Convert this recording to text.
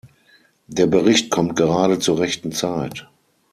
Der Bericht kommt gerade zur rechten Zeit.